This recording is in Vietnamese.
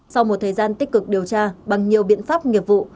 sau một thời gian tích cực điều tra bằng nhiều biện pháp nghiệp vụ